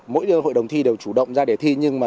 mỗi hội đồng thi đều chủ động ra để thi nhưng mà